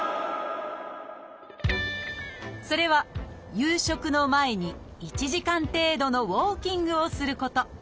それは夕食の前に１時間程度のウォーキングをすること。